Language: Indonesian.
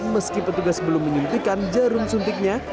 meski petugas belum menyuntikkan jarum suntiknya